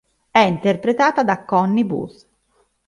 È interpretata da Connie Booth.